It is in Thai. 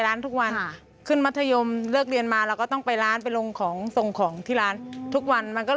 กาญจนบุรีเป็นสาวเมืองกลาง